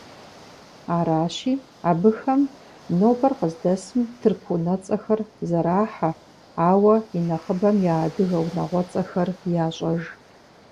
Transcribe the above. Аращи, абыхэм нобэр къыздэсым тырку унэцӏэхэр зэрахьэ, ауэ инэхъыбэм я адыгэ унагъуэцӏэхэр ящӏэж.